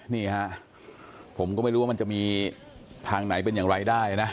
นี่ฮะผมก็ไม่รู้ว่ามันจะมีทางไหนเป็นอย่างไรได้นะ